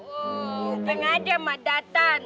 uping aja mak datang